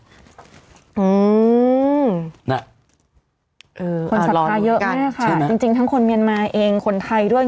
อืมคนสักทายเยอะมากเลยค่ะจริงทั้งคนเมียนมายเองคนไทยด้วย